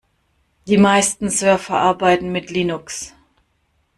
Die meisten Server arbeiten mit Linux.